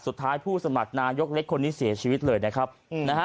สุดท้ายผู้สมัครนายกเล็กคนนี้เสียชีวิตเลยนะครับน่ะฮะ